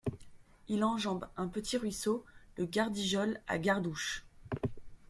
Il enjambe un petit ruisseau, le Gardijol, à Gardouch.